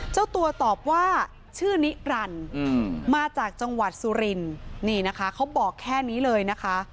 เจ้าตัวตอบว่าชื่อนิรันดิ์มาจากจังหวัดสุรินนี่นะคะเขาบอกแค่นี้เลยนะคะ